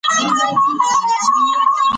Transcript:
که موږ خپله ژبه وساتو، نو کلتوري میراث نه ورکېږي.